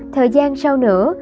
thời gian sau nữa